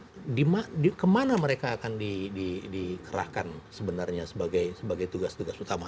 belum kita melihat kemana mereka akan dikerahkan sebenarnya sebagai tugas tugas utama